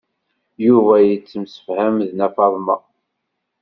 Yuba yettemsefham d Nna Faḍma.